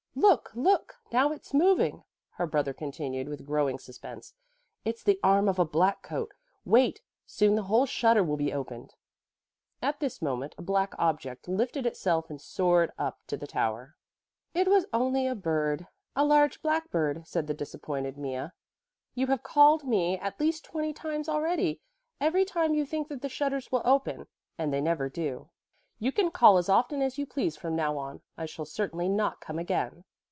"Look, look! Now it's moving," her brother continued with growing suspense. "It's the arm of a black coat; wait, soon the whole shutter will be opened." At this moment a black object lifted itself and soared up to the tower. "It was only a bird, a large black bird," said the disappointed Mea. "You have called me at least twenty times already; every time you think that the shutters will open, and they never do. You can call as often as you please from now on, I shall certainly not come again."